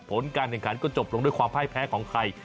ผลการแข่งขันก็จบลงด้วยความพ่ายแพ้ของไทย